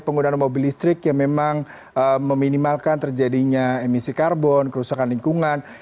penggunaan mobil listrik yang memang meminimalkan terjadinya emisi karbon kerusakan lingkungan